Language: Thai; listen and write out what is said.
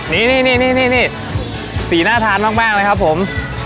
นี่นี่นี่นี่นี่นี่สีหน้าทานมากมากเลยครับผม